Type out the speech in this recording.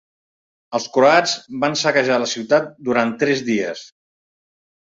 Els croats van saquejar la ciutat durant tres dies.